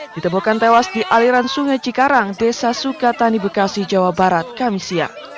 ditemukan tewas di aliran sungai cikarang desa sukatani bekasi jawa barat kami siap